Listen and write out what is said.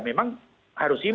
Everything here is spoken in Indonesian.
ya memang harus impor